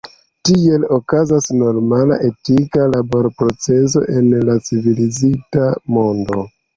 Tiel okazas normala etika laborprocezo en la civilizita mondo.